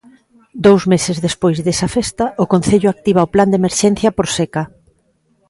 Dous meses despois desa festa o Concello activa o plan de emerxencia por seca.